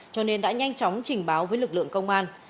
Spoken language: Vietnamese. cho nên đã nhanh chóng trình báo với lực lượng công an